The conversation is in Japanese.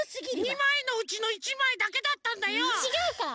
２まいのうちの１まいだけだったんだよ！ちがうから。